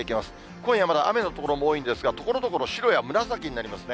今夜まだ、雨の所も多いんですが、ところどころ白や紫になりますね。